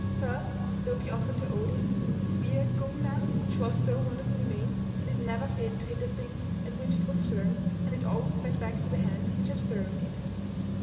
First, Loki offered to Odin the spear Gungner which was so wonderfully made that it never failed to hit the thing at which it was thrown, and it always sped back to the hand which had thrown it.